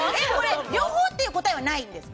両方っていう答えはないんですか？